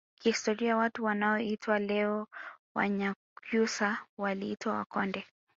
Kihistoria watu wanaoitwa leo Wanyakyusa waliitwa Wakonde